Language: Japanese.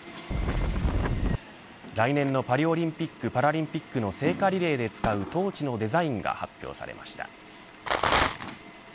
来年のパリオリンピック・パラリンピックの聖火リレーで使うトーチのデザインが発表されました。